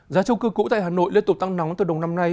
giá trung cư cũ tại hà nội liên tục tăng nóng từ đầu năm nay